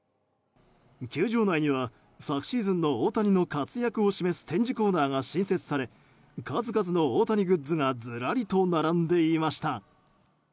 球場内には昨シーズンの大谷の活躍を示す展示コーナーが新設され数々の大谷グッズがずらりと並んでいました。